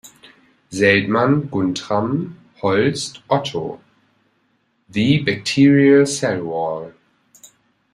Seltmann, Guntram; Holst, Otto: "The Bacterial Cell Wall.